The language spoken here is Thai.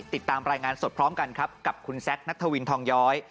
ติดตามรายงานสดพร้อมกันครับกับคุณแซคนัทวินทองย้อย